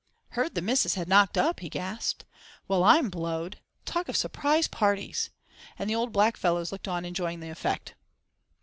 "Heard the missus had knocked up?" he gasped. "Well, I'm blowed! Talk of surprise parties!" and the old black fellows looked on enjoying the effect.